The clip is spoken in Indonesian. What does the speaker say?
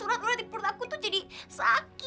udah menurut aku tuh jadi sakit